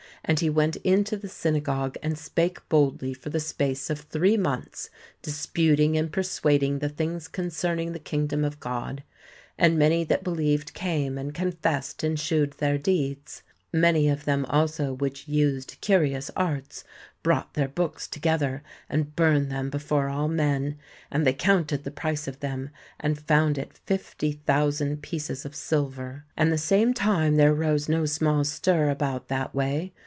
... And he went into the synagogue and spake boldly for the space of three months, dis puting and persuading the things concerning the kingdom of God. ... And many that believed came, and confessed, and shewed their deeds. Many 120 THE SEVEN WONDERS of them also which used curious arts, brought their books together and burned them before all men: and they counted the price of them, and found it fifty thousand pieces of silver. ... And the same time there arose no small stir about that way.